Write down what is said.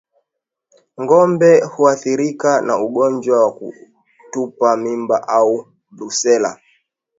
Ngombe huathirika na ugonjwa wa kutupa mimba au Brusela